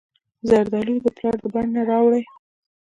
زردالو د پلار د بڼ نه راوړي.